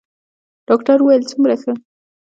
ډاکتر وويل څومره ښه.